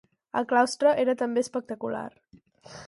El claustre era també espectacular.